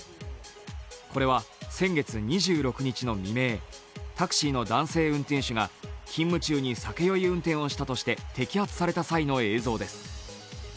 これは先月２６日の未明、タクシーの男性運転手が勤務中に酒酔い運転をしたとして摘発された際の映像です。